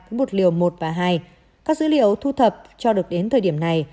với bột liều một và hai các dữ liều thu thập cho được đến thời điểm này